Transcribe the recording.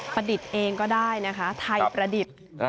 ประดิษฐ์เองก็ได้นะคะไทยประดิษฐ์